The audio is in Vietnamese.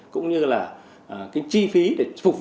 cũng như là chi phí để phục vụ